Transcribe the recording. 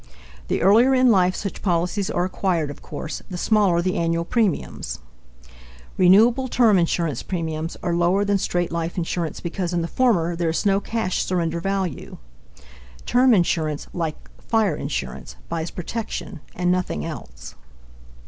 The earlier in life such policies are acquired, of course, the smaller the annual premiums. Renewable term insurance premiums are lower than straight life insurance because in the former there is no cash surrender value. Term insurance, like fire insurance, buys protection and nothing else.